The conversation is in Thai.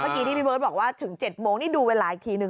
เมื่อกี้ที่พี่เบิร์ตบอกว่าถึง๗โมงนี่ดูเวลาอีกทีนึง